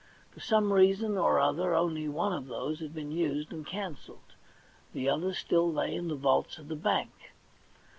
For some reason or other only one of these had been used and cancelled ; the other still lay in the vaults of the Bank.